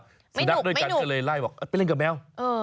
ไม่หนุกไม่หนุกสุนัขด้วยกันก็เลยไล่บอกไปเล่นกับแมว